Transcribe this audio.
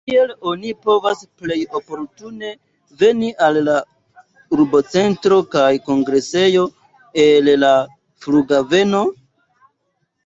Kiel oni povas plej oportune veni al la urbocentro kaj kongresejo el la flughaveno?